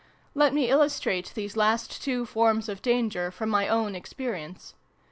Let me illustrate these last two forms of danger, from my own experience.